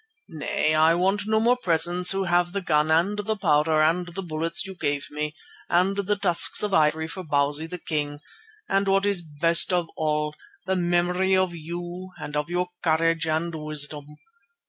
Nay, I want no more presents who have the gun and the powder and the bullets you gave me, and the tusks of ivory for Bausi the king, and what is best of all, the memory of you and of your courage and wisdom.